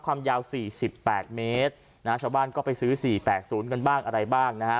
ความยาว๔๘เมตรนะฮะชาวบ้านก็ไปซื้อ๔๘๐กันบ้างอะไรบ้างนะฮะ